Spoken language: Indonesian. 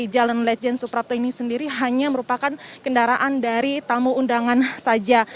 jalan lejen suprapto ini sendiri hanya merupakan kendaraan dari tamu undangan saja